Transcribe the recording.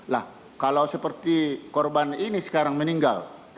lah kalau seperti korban ini sekarang meninggal